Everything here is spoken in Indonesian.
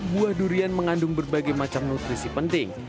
buah durian mengandung berbagai macam nutrisi penting